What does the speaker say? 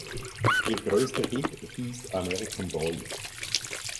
Ihr größter Hit hieß "American Boy".